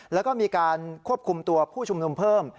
แล้วก็มีการควบคุมตัวผู้ชุมนุมเพิ่ม